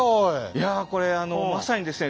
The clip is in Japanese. いやこれまさにですね